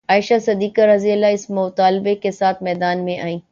عائشہ صدیقہ رض اس مطالبہ کے ساتھ میدان میں آئیں